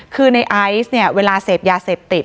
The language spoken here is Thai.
คือในไอซ์เวลาเสพยาเสพติด